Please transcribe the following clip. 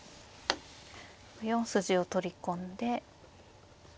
４筋を取り込んで。